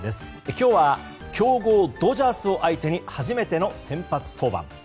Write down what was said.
今日は、強豪ドジャースを相手に初めての先発登板。